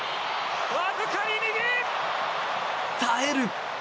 耐える！